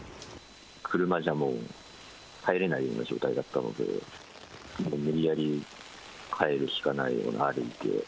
車じゃもう、入れないような状態だったので、無理やり帰るしかないような、歩いて。